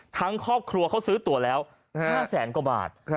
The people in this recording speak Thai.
ครอบครัวเขาซื้อตัวแล้ว๕แสนกว่าบาท